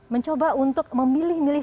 mencoba untuk memilih milih